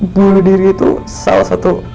bunuh diri itu salah satu